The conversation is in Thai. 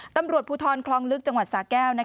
ตำรวจภูทรคลองลึกจังหวัดสาแก้ว